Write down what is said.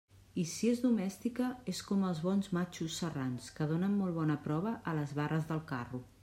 I si es domestica, és com els bons matxos serrans, que donen molt bona prova a les barres del carro.